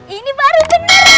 ini baru bener